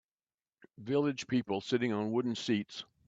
Village people sitting on wooden seats.